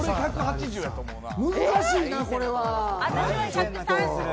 難しいな、これは。